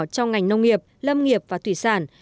trong ngành nông nghiệp lâm nghiệp và thủy sản